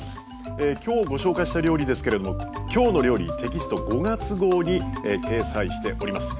今日ご紹介した料理ですけれども「きょうの料理」テキスト５月号に掲載しております。